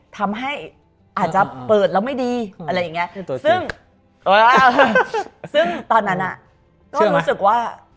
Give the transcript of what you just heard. ทำให้อาจจะเปิดแล้วไม่ดีซึ่งตอนนั้นก็รู้สึกว่า